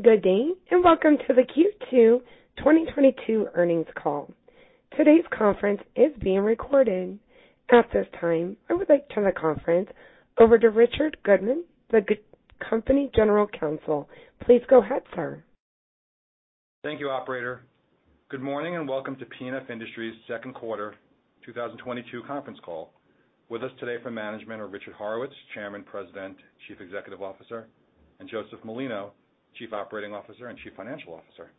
Good day, and welcome to the Q2 2022 earnings call. Today's conference is being recorded. At this time, I would like to turn the conference over to Richard Goodman, the Company's General Counsel. Please go ahead, sir. Thank you, operator. Good morning, and welcome to P&F Industries second quarter 2022 conference call. With us today from management are Richard Horowitz, Chairman, President, Chief Executive Officer, and Joseph Molino, Chief Operating Officer and Chief Financial Officer.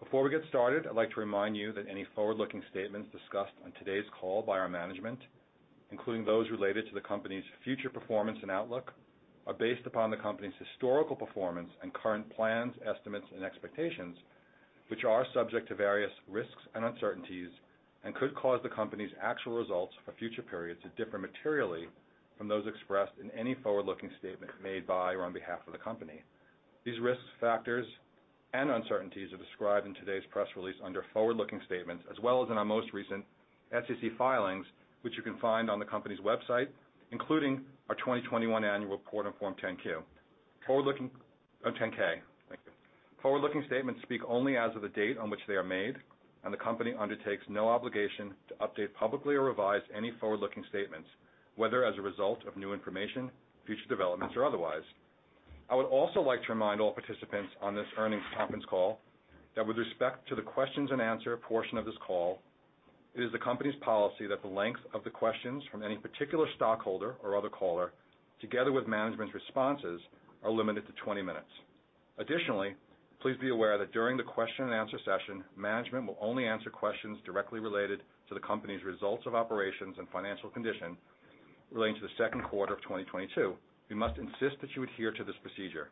Before we get started, I'd like to remind you that any forward-looking statements discussed on today's call by our management, including those related to the company's future performance and outlook, are based upon the company's historical performance and current plans, estimates, and expectations, which are subject to various risks and uncertainties, and could cause the company's actual results for future periods to differ materially from those expressed in any forward-looking statements made by or on behalf of the company. These risks, factors, and uncertainties are described in today's press release under forward-looking statements, as well as in our most recent SEC filings, which you can find on the company's website, including our 2021 annual report on Form 10-K. Forward-looking statements speak only as of the date on which they are made, and the company undertakes no obligation to update publicly or revise any forward-looking statements, whether as a result of new information, future developments, or otherwise. I would also like to remind all participants on this earnings conference call that with respect to the questions and answer portion of this call, it is the company's policy that the length of the questions from any particular stockholder or other caller, together with management's responses, are limited to 20 minutes. Additionally, please be aware that during the question and answer session, management will only answer questions directly related to the company's results of operations and financial condition relating to the second quarter of 2022. We must insist that you adhere to this procedure.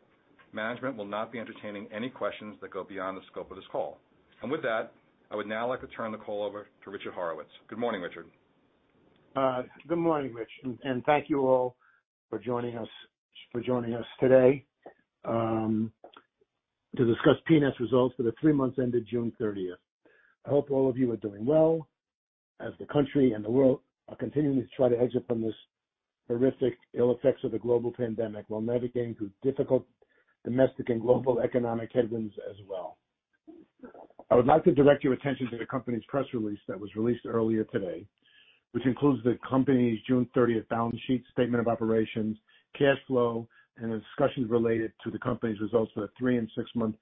Management will not be entertaining any questions that go beyond the scope of this call. With that, I would now like to turn the call over to Richard Horowitz. Good morning, Richard. Good morning, Rich, and thank you all for joining us today to discuss P&F results for the three months ended June 30th. I hope all of you are doing well as the country and the world are continuing to try to exit from these horrific ill effects of the global pandemic while navigating through difficult domestic and global economic headwinds as well. I would like to direct your attention to the company's press release that was released earlier today, which includes the company's June 30th balance sheet, statement of operations, cash flow, and a discussion related to the company's results for the three- and six-month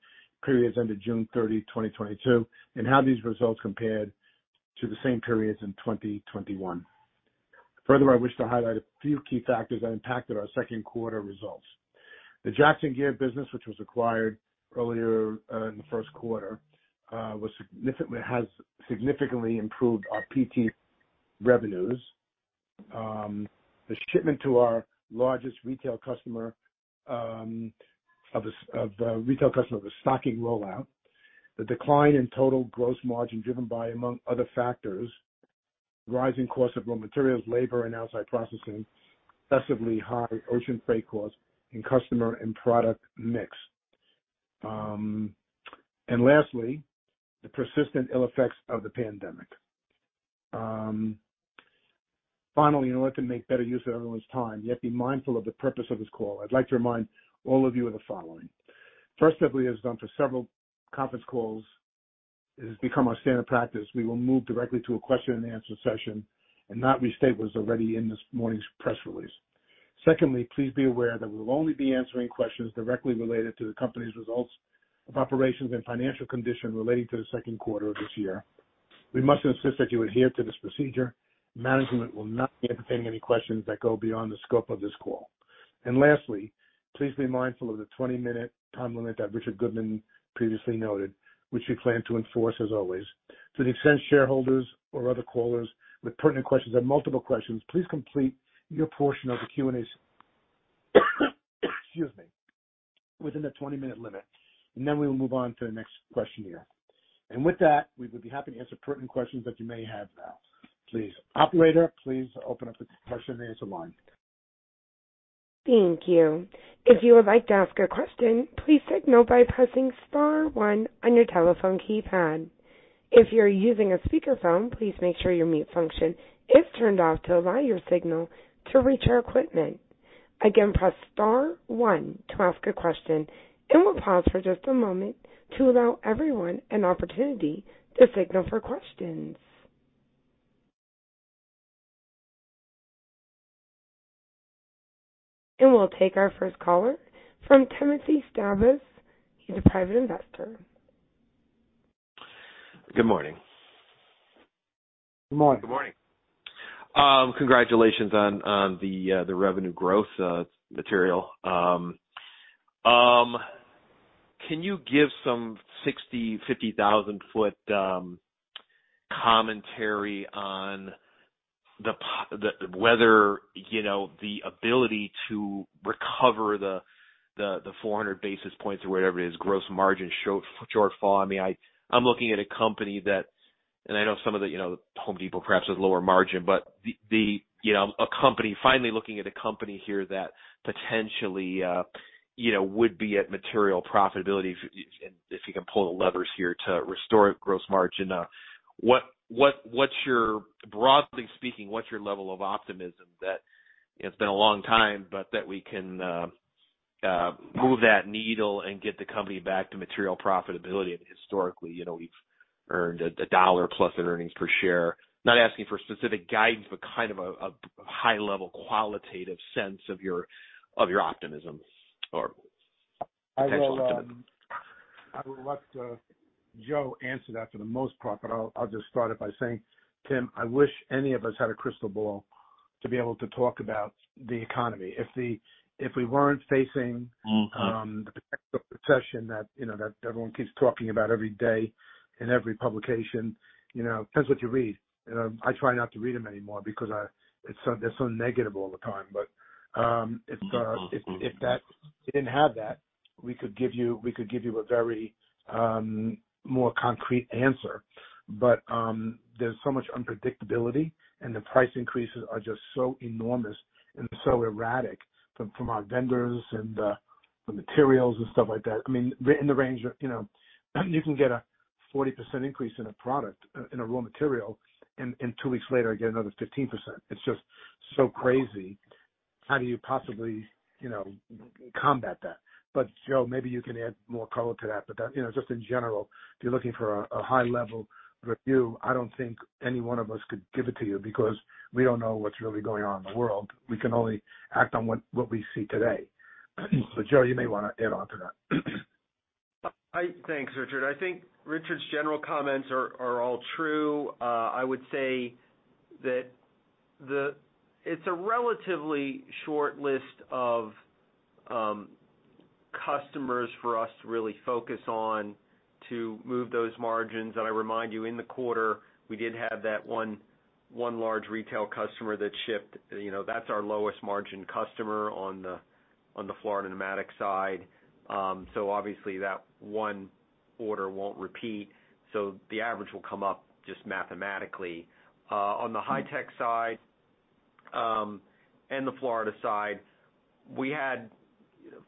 periods ended June 30th, 2022, and how these results compared to the same periods in 2021. Furthermore, I wish to highlight a few key factors that impacted our second quarter results. The Jackson Gear business, which was acquired earlier in the first quarter, has significantly improved our PT revenues. The shipment to our largest retail customer, of the retail customer, the stocking rollout. The decline in total gross margin driven by, among other factors, rising costs of raw materials, labor, and outside processing, excessively high ocean freight costs and customer and product mix. Lastly, the persistent ill effects of the pandemic. Finally, in order to make better use of everyone's time, yet be mindful of the purpose of this call, I'd like to remind all of you of the following. First, as we have done for several conference calls, it has become our standard practice. We will move directly to a question and answer session and not restate what is already in this morning's press release. Secondly, please be aware that we will only be answering questions directly related to the company's results of operations and financial condition relating to the second quarter of this year. We must insist that you adhere to this procedure. Management will not be entertaining any questions that go beyond the scope of this call. Lastly, please be mindful of the 20-minute time limit that Richard Goodman previously noted, which we plan to enforce as always. To the extent shareholders or other callers with pertinent questions have multiple questions, please complete your portion of the Q&A, excuse me, within the 20-minute limit, and then we will move on to the next question here. With that, we would be happy to answer pertinent questions that you may have now. Please, operator, please open up the question and answer line. Thank you. If you would like to ask a question, please signal by pressing star one on your telephone keypad. If you're using a speakerphone, please make sure your mute function is turned off to allow your signal to reach our equipment. Again, press star one to ask a question, and we'll pause for just a moment to allow everyone an opportunity to signal for questions. We'll take our first caller from Timothy Stabosz. He's a private investor. Good morning. Good morning. Good morning. Congratulations on the revenue growth, material. Can you give some 60-50,000-ft commentary on whether, you know, the ability to recover the 400 basis points or whatever it is, gross margin shortfall. I mean, I'm looking at a company that, and I know some of the, you know, Home Depot perhaps has lower margin, but the, you know, a company finally looking at a company here that potentially, you know, would be at material profitability if you can pull the levers here to restore gross margin. What's your, broadly speaking, what's your level of optimism that. It's been a long time, but that we can move that needle and get the company back to material profitability. Historically, you know, we've earned $1+ in earnings per share. Not asking for specific guidance, but kind of a high-level qualitative sense of your optimism or potential. I will let Joe answer that for the most part, but I'll just start it by saying, Tim, I wish any of us had a crystal ball to be able to talk about the economy. If we weren't facing- Mm-hmm. The potential recession that, you know, that everyone keeps talking about every day in every publication, you know, thats what you read. You know, I try not to read them anymore because it's so they're so negative all the time. If that didn't have that, we could give you a very more concrete answer. There's so much unpredictability and the price increases are just so enormous and so erratic from our vendors and the materials and stuff like that. I mean, in the range of, you know, you can get a 40% increase in a product in a raw material and two weeks later get another 15%. It's just so crazy. How do you possibly, you know, combat that? Joe, maybe you can add more color to that. that, you know, just in general, if you're looking for a high level review, I don't think any one of us could give it to you because we don't know what's really going on in the world. We can only act on what we see today. Joe, you may wanna add on to that. Thanks, Richard. I think Richard's general comments are all true. I would say that it's a relatively short list of customers for us to really focus on to move those margins. I remind you in the quarter we did have that one large retail customer that shipped. You know, that's our lowest margin customer on the Florida Pneumatic side. So obviously that one order won't repeat, so the average will come up just mathematically. On the Hy-Tech side and the Florida side, we had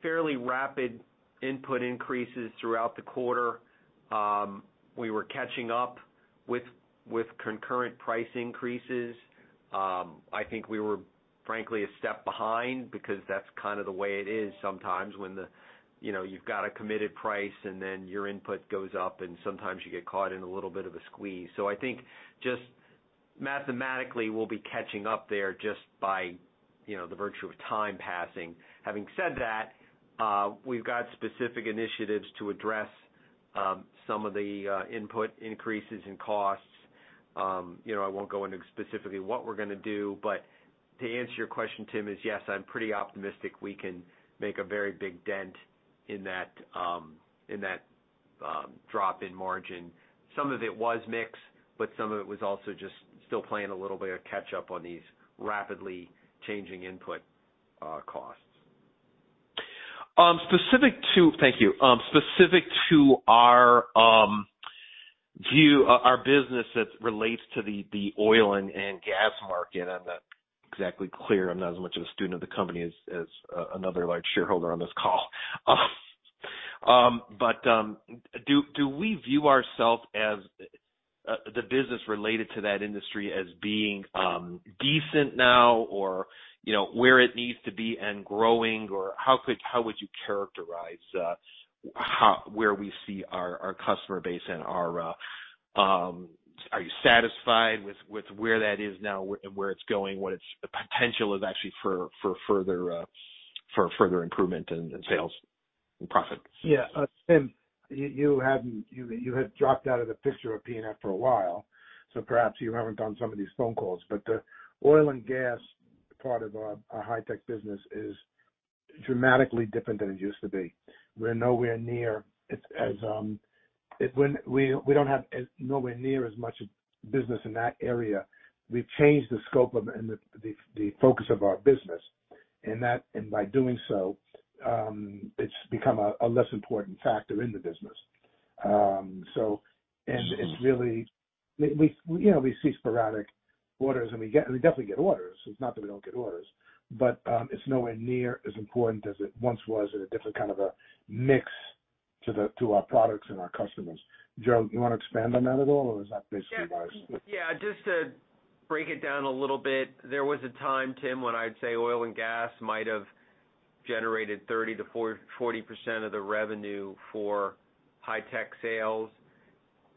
fairly rapid input increases throughout the quarter. We were catching up with concurrent price increases. I think we were frankly a step behind because that's kind of the way it is sometimes when the, you know, you've got a committed price and then your input goes up and sometimes you get caught in a little bit of a squeeze. I think just mathematically we'll be catching up there just by, you know, the virtue of time passing. Having said that, we've got specific initiatives to address some of the input increases in costs. You know, I won't go into specifically what we're gonna do, but to answer your question, Tim, is yes, I'm pretty optimistic we can make a very big dent in that drop in margin. Some of it was mix, but some of it was also just still playing a little bit of catch up on these rapidly changing input costs. Specific to our view, our business as relates to the oil and gas market. Thank you. Specific to our business as relates to the oil and gas market. I'm not exactly clear. I'm not as much of a student of the company as another large shareholder on this call. But do we view ourself as the business related to that industry as being decent now or, you know, where it needs to be and growing or how would you characterize how, where we see our customer base and our. Are you satisfied with where that is now and where it's going, what its potential is actually for further improvement in sales and profits? Yeah. Tim, you had dropped out of the picture of P&F for a while, so perhaps you haven't done some of these phone calls, but the oil and gas part of our Hy-Tech business is dramatically different than it used to be. We have nowhere near as much business in that area. We've changed the scope of and the focus of our business and by doing so, it's become a less important factor in the business. We, you know, see sporadic orders and we definitely get orders. It's not that we don't get orders, but it's nowhere near as important as it once was, and a different kind of a mix to our products and our customers. Joe, you wanna expand on that at all, or is that basically my. Yeah. Just to break it down a little bit. There was a time, Tim, when I'd say oil and gas might have generated 30%-40% of the revenue for Hy-Tech sales.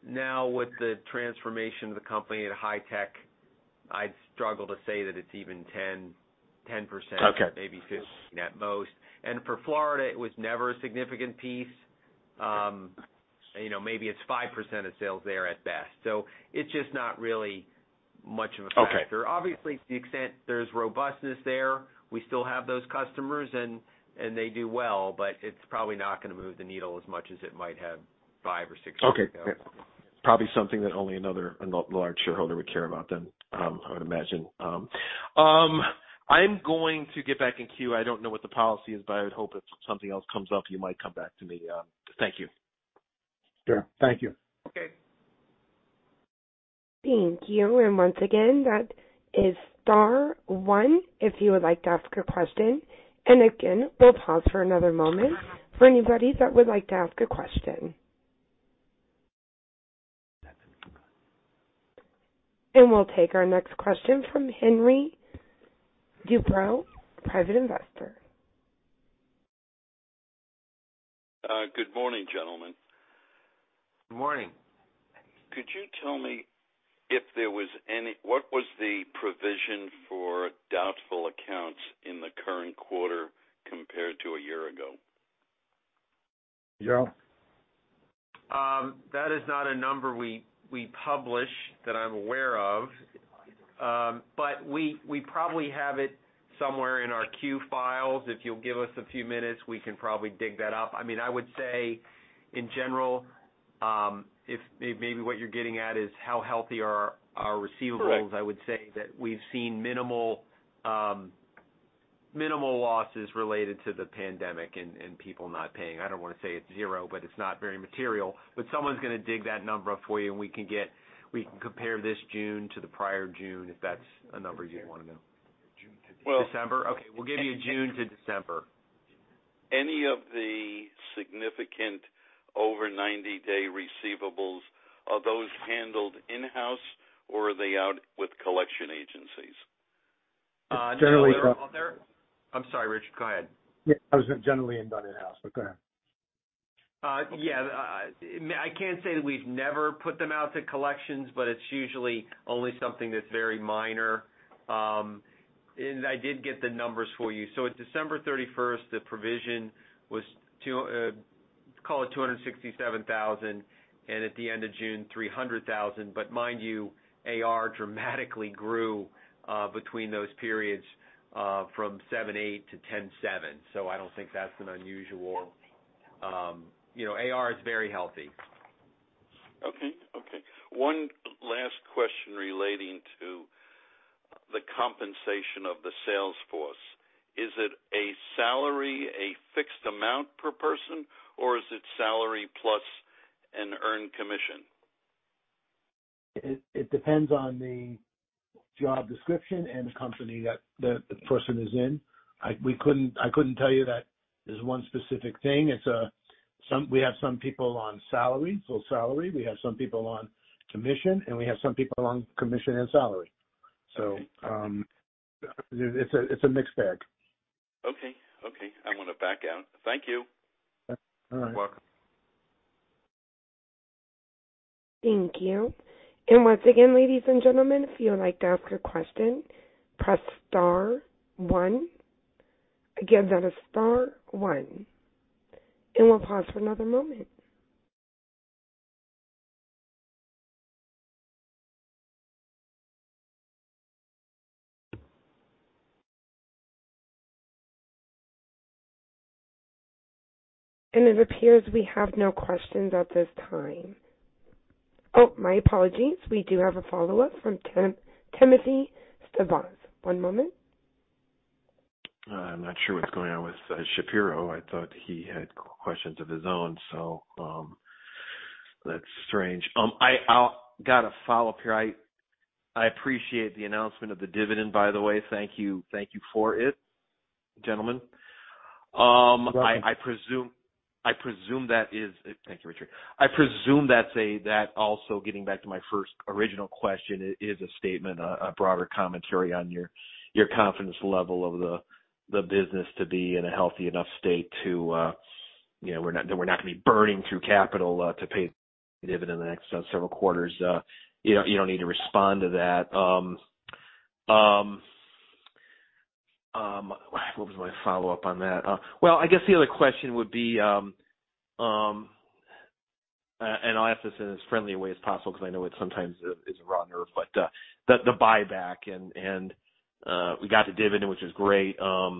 Now with the transformation of the company to Hy-Tech, I'd struggle to say that it's even 10%. Okay. Maybe 15 at most. For Florida it was never a significant piece. Maybe it's 5% of sales there at best. It's just not really much of a factor. Okay. Obviously to the extent there's robustness there, we still have those customers and they do well, but it's probably not gonna move the needle as much as it might have five or six years ago. Okay. Probably something that only another large shareholder would care about then, I would imagine. I'm going to get back in queue. I don't know what the policy is, but I would hope if something else comes up, you might come back to me. Thank you. Sure. Thank you. Okay. Thank you. Once again, that is star one if you would like to ask a question. Again, we'll pause for another moment for anybody that would like to ask a question. We'll take our next question from Henry Dubrow, Private Investor. Good morning, gentlemen. Good morning. Could you tell me what was the provision for doubtful accounts in the current quarter compared to a year ago? Joe? That is not a number we publish that I'm aware of. We probably have it somewhere in our Q files. If you'll give us a few minutes, we can probably dig that up. I mean, I would say in general, if maybe what you're getting at is how healthy are our receivables? Correct. I would say that we've seen minimal losses related to the pandemic and people not paying. I don't wanna say it's zero, but it's not very material. Someone's gonna dig that number up for you, and we can compare this June to the prior June, if that's a number you wanna know. December. December? Okay. We'll give you June-December. Any of the significant over 90-day receivables, are those handled in-house or are they out with collection agencies? It's generally. I'm sorry, Rich, go ahead. Yeah. Generally done in-house but go ahead. I can't say that we've never put them out to collections, but it's usually only something that's very minor. I did get the numbers for you. At December thirty-first, the provision was $267,000, and at the end of June, $300,000. Mind you, AR dramatically grew between those periods from $7.8 million-$10.7 million. I don't think that's unusual. You know, AR is very healthy. Okay. One last question relating to the compensation of the sales force. Is it a salary, a fixed amount per person, or is it salary plus an earned commission? It depends on the job description and the company that the person is in. I couldn't tell you that there's one specific thing. We have some people on salary, full salary. We have some people on commission, and we have some people on commission and salary. It's a mixed bag. Okay. I wanna back out. Thank you. All right. You're welcome. Thank you. Once again, ladies and gentlemen, if you would like to ask a question, press star one. Again, that is star one. We'll pause for another moment. It appears we have no questions at this time. Oh, my apologies. We do have a follow-up from Timothy Stabosz. One moment. I'm not sure what's going on with Shapiro. I thought he had questions of his own, that's strange. I got a follow-up here. I appreciate the announcement of the dividend, by the way. Thank you. Thank you for it, gentlemen. I presume that. Thank you, Richard. I presume that's also getting back to my first original question is a statement, a broader commentary on your confidence level of the business to be in a healthy enough state to, you know, we're not gonna be burning through capital to pay the dividend in the next several quarters. You don't need to respond to that. What was my follow-up on that? Well, I guess the other question would be, and I'll ask this in as friendly a way as possible because I know it sometimes is a raw nerve, but the buyback and we got the dividend, which is great. Has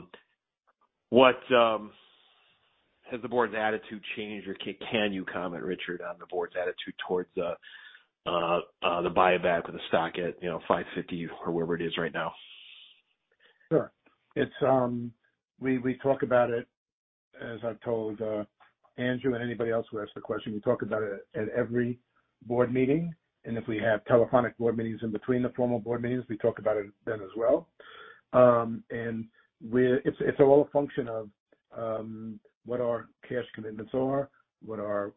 the board's attitude changed? Can you comment, Richard, on the board's attitude towards the buyback of the stock at, you know, $5.50 or wherever it is right now? Sure. It's we talk about it, as I've told Andrew and anybody else who asked the question, we talk about it at every board meeting, and if we have telephonic board meetings in between the formal board meetings, we talk about it then as well. It's all a function of what our cash commitments are, what our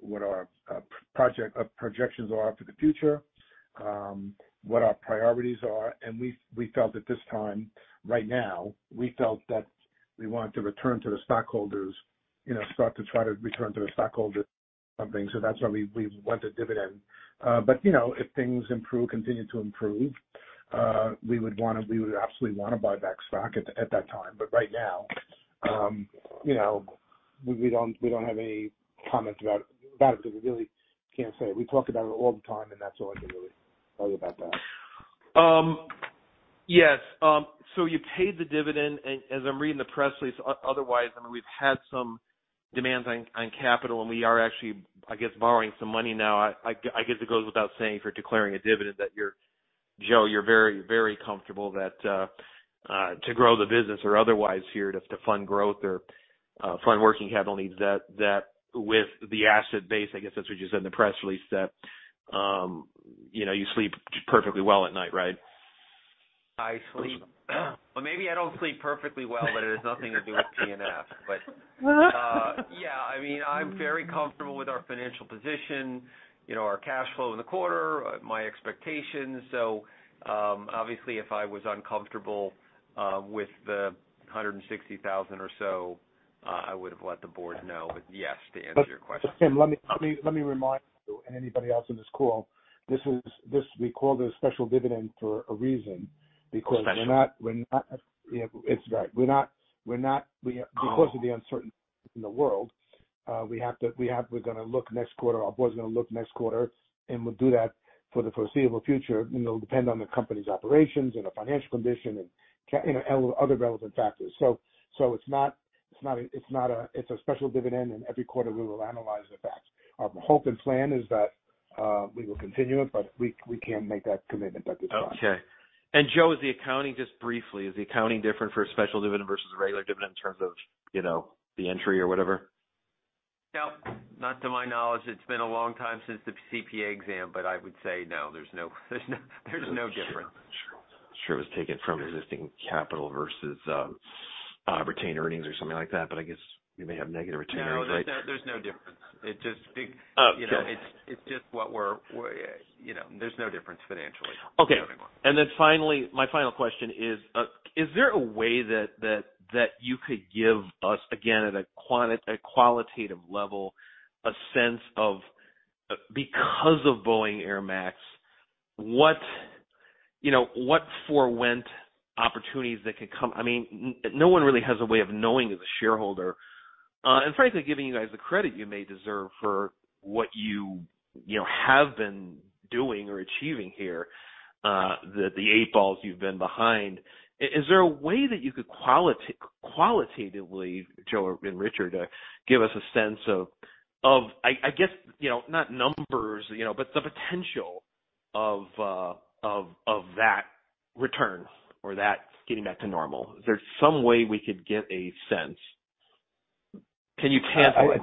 projections are for the future, what our priorities are. We felt at this time, right now, that we wanted to return to the stockholders, you know, start to try to return to the stockholders something. That's why we went to dividend. You know, if things improve, continue to improve, we would absolutely wanna buy back stock at that time. Right now, you know, we don't have any comment about it because we really can't say. We talk about it all the time, and that's all I can really tell you about that. Yes. So you paid the dividend, and as I'm reading the press release otherwise, I mean, we've had some demands on capital, and we are actually, I guess, borrowing some money now. I guess it goes without saying if you're declaring a dividend that you're Joe, you're very, very comfortable that to grow the business or otherwise here to fund growth or fund working capital needs that with the asset base, I guess that's what you said in the press release, that you know, you sleep perfectly well at night, right? I sleep. Well, maybe I don't sleep perfectly well, but it has nothing to do with P&F. Yeah, I mean, I'm very comfortable with our financial position, you know, our cash flow in the quarter, my expectations. Obviously, if I was uncomfortable with the $160,000 or so, I would have let the board know. Yes, to answer your question. Tim, let me remind you and anybody else in this call, this, we call this special dividend for a reason, because Special. Yeah. It's right. Oh. Because of the uncertainty in the world, we're gonna look next quarter. Our board's gonna look next quarter, and we'll do that for the foreseeable future. It'll depend on the company's operations and the financial condition and other relevant factors. It's a special dividend, and every quarter we will analyze the facts. Our hope and plan is that we will continue it, but we can't make that commitment at this time. Okay. Joe, is the accounting different for a special dividend versus a regular dividend in terms of, you know, the entry or whatever? No, not to my knowledge. It's been a long time since the CPA exam, but I would say no, there's no difference. Sure. It was taken from existing capital versus retained earnings or something like that. I guess you may have negative retained earnings, right? No, there's no difference. It just big. Oh, sure. You know, it's just what we're, you know, there's no difference financially. Okay. Moving on. Then finally, my final question is there a way that you could give us, again, at a qualitative level, a sense of, because of Boeing 737 MAX, what, you know, what foregone opportunities that could come? I mean, no one really has a way of knowing as a shareholder, and frankly, giving you guys the credit you may deserve for what you know, have been doing or achieving here, the eight ball you've been behind. Is there a way that you could qualitatively, Joe and Richard, give us a sense of, I guess, you know, not numbers, you know, but the potential of that return or that getting back to normal? Is there some way we could get a sense? Can you tackle?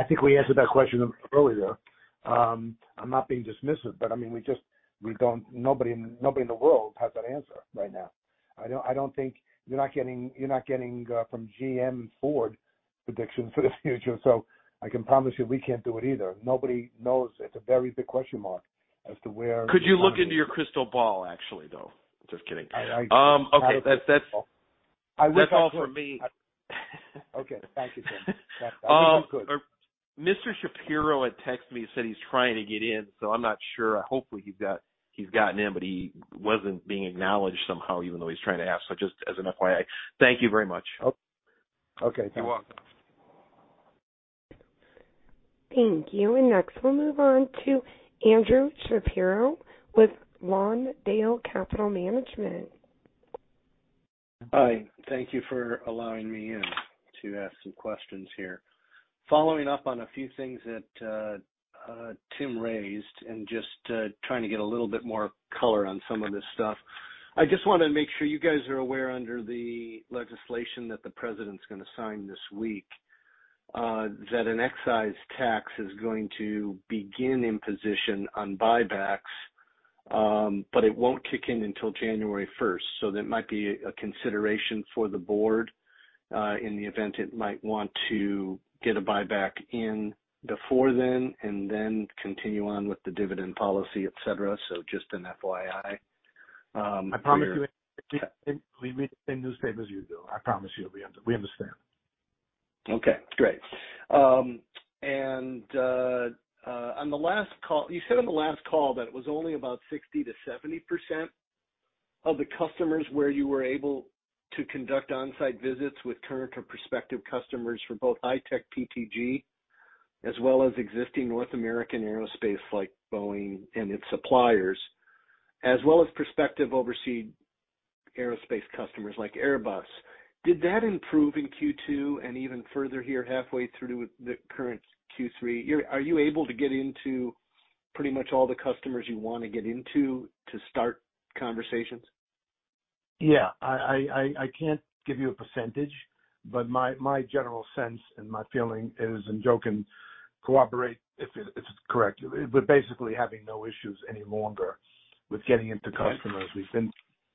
I think we answered that question earlier. I'm not being dismissive, but I mean, we just, we don't, nobody in the world has that answer right now. I don't think. You're not getting from GM, Ford predictions for the future. I can promise you we can't do it either. Nobody knows. It's a very big question mark as to where. Could you look into your crystal ball actually, though? Just kidding. I. Okay. That's. I wish I could. That's all for me. Okay. Thank you, Tim. Um. That was good. Mr. Shapiro had texted me. He said he's trying to get in, so I'm not sure. Hopefully, he's got, he's gotten in, but he wasn't being acknowledged somehow, even though he's trying to ask. Just as an FYI. Thank you very much. Okay. Yeah. You're welcome. Thank you. Next, we'll move on to Andrew Shapiro with Lawndale Capital Management. Hi. Thank you for allowing me in to ask some questions here. Following up on a few things that Tim raised, and just trying to get a little bit more color on some of this stuff. I just wanna make sure you guys are aware, under the legislation that the president's gonna sign this week, that an excise tax is going to begin imposition on buybacks, but it won't kick in until January first. That might be a consideration for the board, in the event it might want to get a buyback in before then and then continue on with the dividend policy, et cetera. Just an FYI. I promise you, we read the same newspapers you do. I promise you, we understand. Okay, great. On the last call, you said on the last call that it was only about 60%-70% of the customers where you were able to conduct on-site visits with current or prospective customers for both Hy-Tech PTG as well as existing North American Aerospace like Boeing and its suppliers, as well as prospective overseas aerospace customers like Airbus. Did that improve in Q2 and even further here halfway through the current Q3? Are you able to get into pretty much all the customers you wanna get into to start conversations? Yeah. I can't give you a percentage, but my general sense and my feeling is, and Joe can corroborate if it's correct. We're basically having no issues any longer with getting into customers. Okay.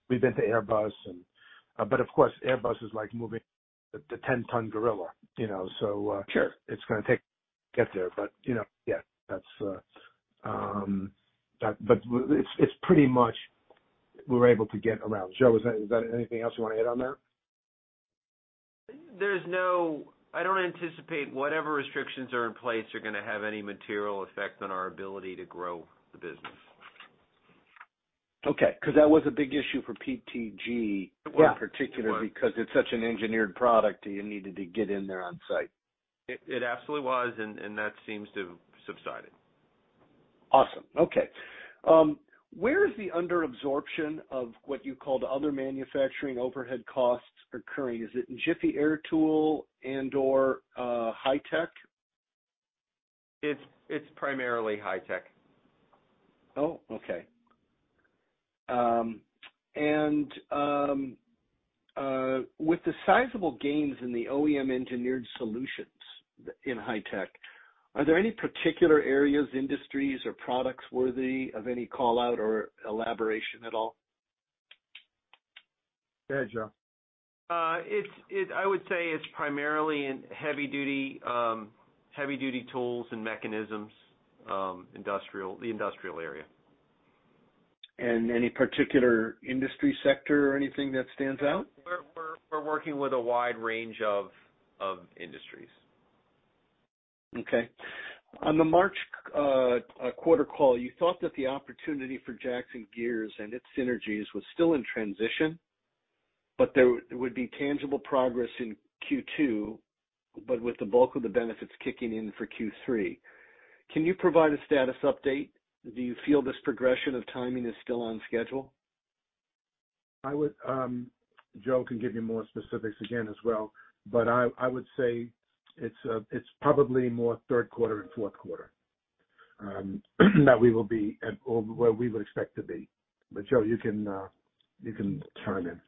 We've been to Airbus. Of course, Airbus is like moving the ten-ton gorilla, you know? Sure. It's gonna take to get there. You know, yeah, that's. It's pretty much we're able to get around. Joe, is there anything else you want to add on that? I don't anticipate whatever restrictions are in place are gonna have any material effect on our ability to grow the business. 'Cause that was a big issue for PTG. It was. in particular because it's such an engineered product that you needed to get in there on-site. It absolutely was, and that seems to have subsided. Awesome. Okay. Where is the under absorption of what you call the other manufacturing overhead costs occurring? Is it in Jiffy Air Tool and/or Hy-Tech? It's primarily Hy-Tech. With the sizable gains in the OEM-engineered solutions in Hy-Tech, are there any particular areas, industries, or products worthy of any call-out or elaboration at all? Go ahead, Joe. I would say it's primarily in heavy-duty tools and mechanisms, industrial, the industrial area. Any particular industry sector or anything that stands out? We're working with a wide range of industries. Okay. On the March quarter call, you thought that the opportunity for Jackson Gear and its synergies was still in transition, but there would be tangible progress in Q2, but with the bulk of the benefits kicking in for Q3. Can you provide a status update? Do you feel this progression of timing is still on schedule? Joe can give you more specifics again as well, but I would say it's probably more third quarter and fourth quarter that we will be at or where we would expect to be. Joe, you can chime in.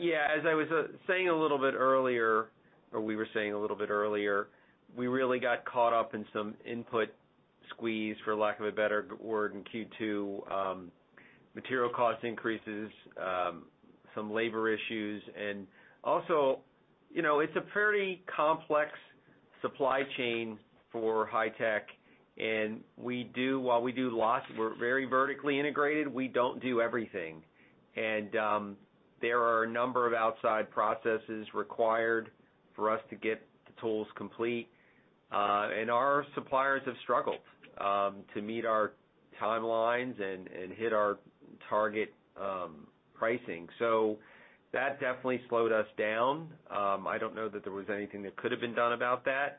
Yeah, as I was saying a little bit earlier, or we were saying a little bit earlier, we really got caught up in some input squeeze, for lack of a better word, in Q2. Material cost increases, some labor issues, and also, you know, it's a pretty complex supply chain for Hy-Tech, and we do, while we do lots, we're very vertically integrated, we don't do everything. There are a number of outside processes required for us to get the tools complete. Our suppliers have struggled to meet our timelines and hit our target pricing. So that definitely slowed us down. I don't know that there was anything that could have been done about that.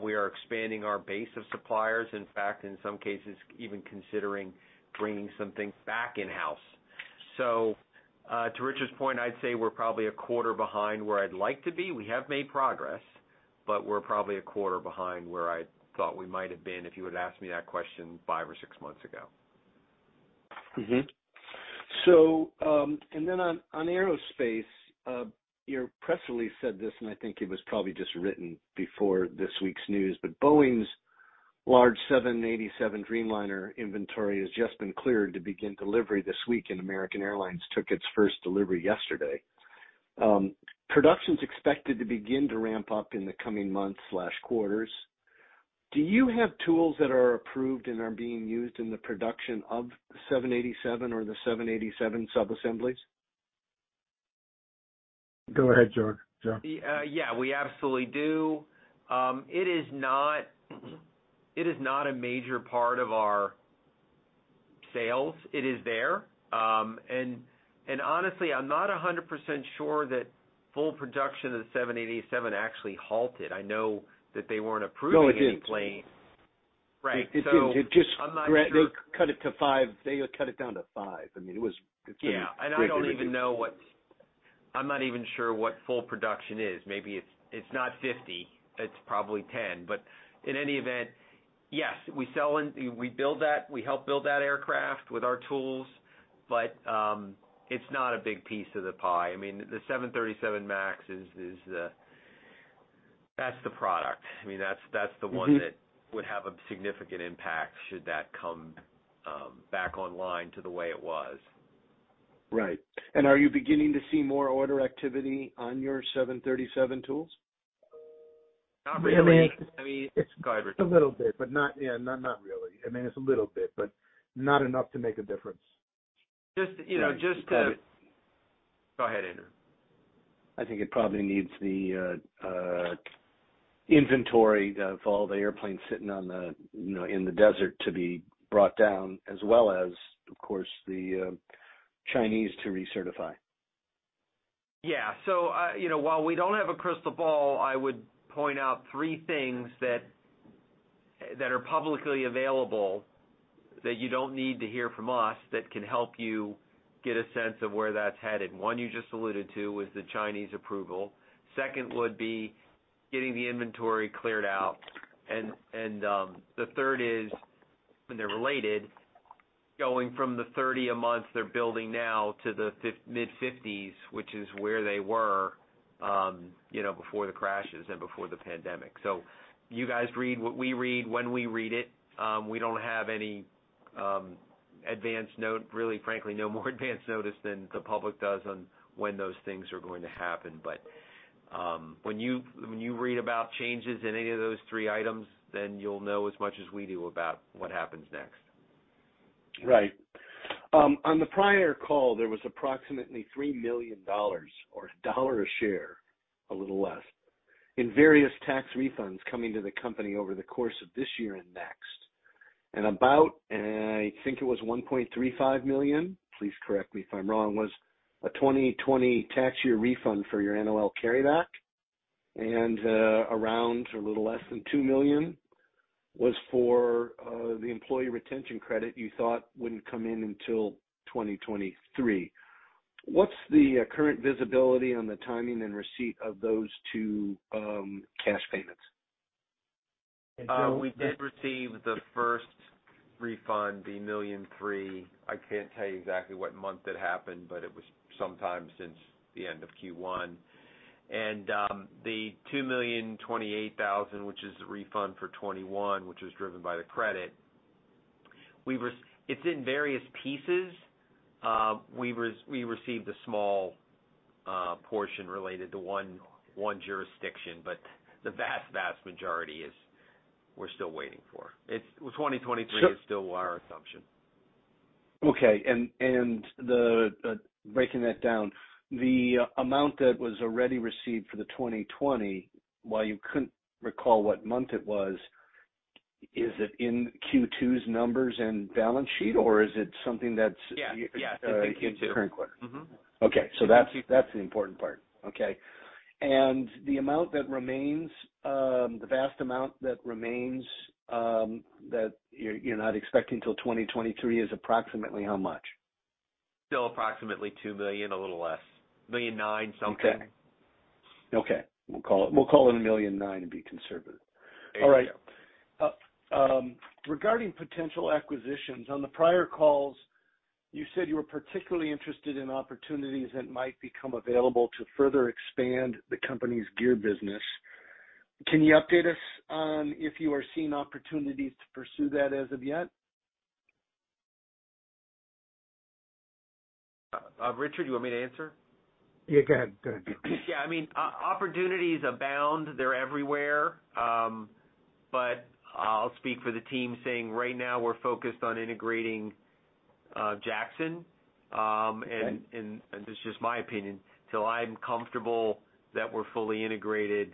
We are expanding our base of suppliers. In fact, in some cases, even considering bringing some things back in-house. To Richard's point, I'd say we're probably a quarter behind where I'd like to be. We have made progress, but we're probably a quarter behind where I thought we might have been if you would've asked me that question five or six months ago. On aerospace, your press release said this, and I think it was probably just written before this week's news. Boeing's large Boeing 787 Dreamliner inventory has just been cleared to begin delivery this week, and American Airlines took its first delivery yesterday. Production's expected to begin to ramp up in the coming months or quarters. Do you have tools that are approved and are being used in the production of the Boeing 787 or the Boeing 787 subassemblies? Go ahead, Joe. Yeah, we absolutely do. It is not a major part of our sales. It is there. And honestly, I'm not 100% sure that full production of the Boeing 787 actually halted. I know that they weren't approving any planes. No, it didn't. Right. I'm not sure. They cut it down to five. I mean, Yeah. I don't even know. I'm not even sure what full production is. Maybe it's not 50, it's probably 10. In any event, yes, we sell and we build that, we help build that aircraft with our tools, but it's not a big piece of the pie. I mean, the 737 MAX is the product. I mean, that's the one that would have a significant impact should that come back online to the way it was. Right. Are you beginning to see more order activity on your 737 tools? Not really. I mean. I mean, go ahead, Richard. It's a little bit, but not really. I mean, it's a little bit, but not enough to make a difference. Just, you know, just to Go ahead. Go ahead, Andrew. I think it probably needs the inventory of all the airplanes sitting on the, you know, in the desert to be brought down as well as, of course, the Chinese to recertify. Yeah. While we don't have a crystal ball, I would point out three things that are publicly available that you don't need to hear from us that can help you get a sense of where that's headed. One you just alluded to was the Chinese approval. Second would be getting the inventory cleared out. The third is, and they're related, going from the 30 a month they're building now to the mid-50s, which is where they were, you know, before the crashes and before the pandemic. You guys read what we read when we read it. We don't have any, really, frankly, no more advanced notice than the public does on when those things are going to happen. When you read about changes in any of those three items, then you'll know as much as we do about what happens next. Right. On the prior call, there was approximately $3 million or $1 a share, a little less, in various tax refunds coming to the company over the course of this year and next. About, I think it was $1.35 million, please correct me if I'm wrong, was a 2020 tax year refund for your NOL carryback. Around a little less than $2 million was for the Employee Retention Credit you thought wouldn't come in until 2023. What's the current visibility on the timing and receipt of those two cash payments? We did receive the first refund, the $1.3 million. I can't tell you exactly what month it happened, but it was sometime since the end of Q1. The $2,028,000, which is the refund for 2021, which was driven by the credit, it's in various pieces. We received a small portion related to one jurisdiction, but the vast majority is we're still waiting for. 2023 is still our assumption. Okay. Breaking that down, the amount that was already received for the 2020, while you couldn't recall what month it was, is it in Q2's numbers and balance sheet, or is it something that's? Yeah. It's in Q2. in current quarter? Mm-hmm. Okay. That's the important part. Okay. The amount that remains, the vast amount that remains, that you're not expecting till 2023 is approximately how much? Still approximately $2 million, a little less. $1.9 million something. Okay. We'll call it $1.9 million and be conservative. There you go. All right. Regarding potential acquisitions, on the prior calls, you said you were particularly interested in opportunities that might become available to further expand the company's gear business. Can you update us on if you are seeing opportunities to pursue that as of yet? Richard, you want me to answer? Yeah, go ahead. Go ahead. Yeah. I mean, opportunities abound. They're everywhere. I'll speak for the team saying right now we're focused on integrating Jackson. Okay. This is just my opinion. Till I'm comfortable that we're fully integrated,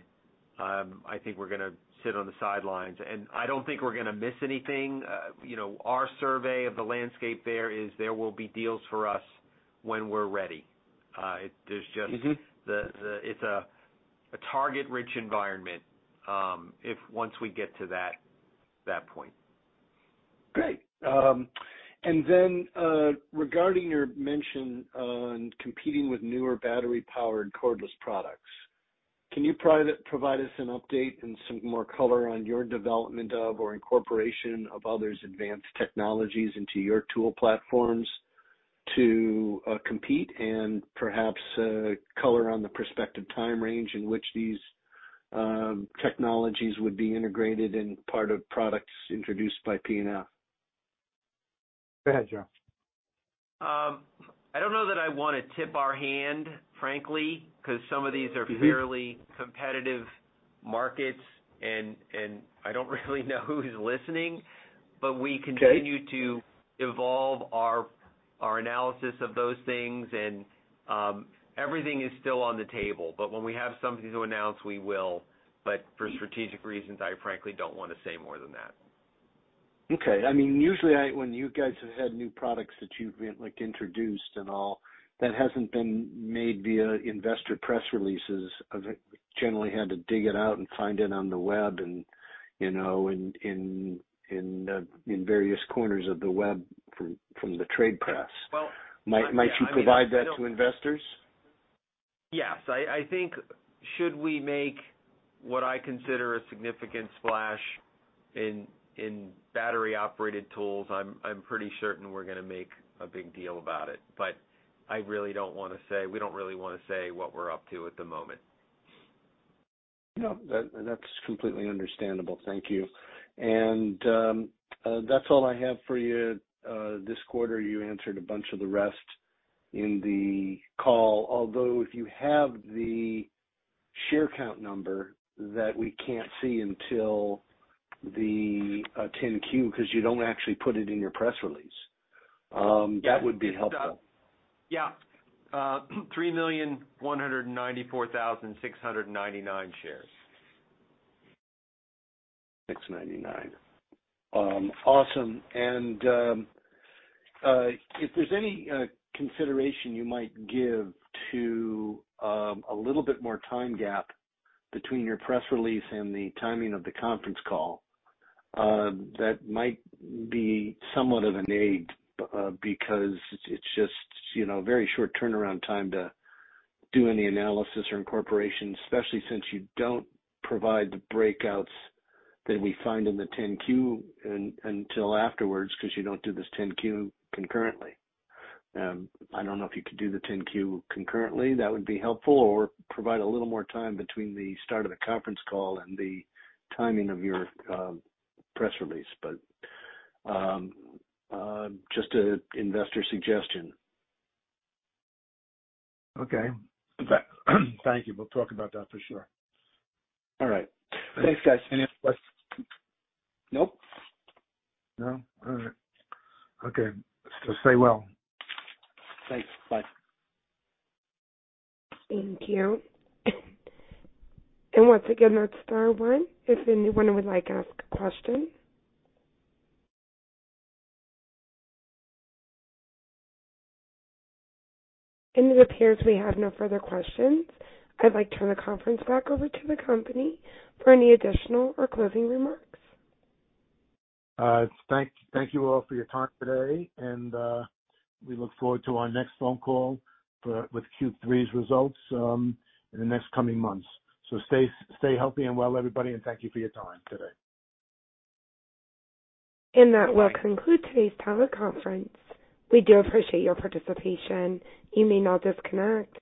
I think we're gonna sit on the sidelines. I don't think we're gonna miss anything. You know, our survey of the landscape there will be deals for us when we're ready. It is just. Mm-hmm. It's a target rich environment, if once we get to that point. Great. Regarding your mention on competing with newer battery-powered cordless products, can you provide us an update and some more color on your development of or incorporation of others' advanced technologies into your tool platforms to compete and perhaps color on the prospective time range in which these technologies would be integrated in part of products introduced by P&F? Go ahead, Joe. I don't know that I wanna tip our hand, frankly, 'cause some of these are fairly competitive markets, and I don't really know who's listening. Okay. We continue to evolve our analysis of those things, and everything is still on the table. When we have something to announce, we will. For strategic reasons, I frankly don't wanna say more than that. Okay. I mean, usually when you guys have had new products that you've like introduced and all, that hasn't been made via investor press releases. I've generally had to dig it out and find it on the web and, you know, in various corners of the web from the trade press. Well, I mean. Might you provide that to investors? Yes. I think should we make what I consider a significant splash in battery operated tools, I'm pretty certain we're gonna make a big deal about it. I really don't wanna say, we don't really wanna say what we're up to at the moment. No. That's completely understandable. Thank you. That's all I have for you this quarter. You answered a bunch of the rest in the call. Although if you have the share count number that we can't see until the 10-Q, 'cause you don't actually put it in your press release, that would be helpful. Yeah, 3,194,699 shares. 699. If there's any consideration you might give to a little bit more time gap between your press release and the timing of the conference call, that might be somewhat of an aid, because it's just, you know, very short turnaround time to do any analysis or incorporation, especially since you don't provide the breakouts that we find in the 10-Q until afterwards, 'cause you don't do this 10-Q concurrently. I don't know if you could do the 10-Q concurrently, that would be helpful, or provide a little more time between the start of the conference call and the timing of your press release. Just an investor suggestion. Okay. Thank you. We'll talk about that for sure. All right. Thanks, guys. Any other questions? Nope. No? All right. Okay. Stay well. Thanks. Bye. Thank you. Once again, that's star one if anyone would like to ask a question. It appears we have no further questions. I'd like to turn the conference back over to the company for any additional or closing remarks. Thank you all for your time today, and we look forward to our next phone call with Q3's results in the next coming months. Stay healthy and well, everybody, and thank you for your time today. That will conclude today's teleconference. We do appreciate your participation. You may now disconnect.